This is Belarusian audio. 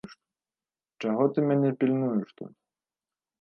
Чаго ты мяне пільнуеш тут?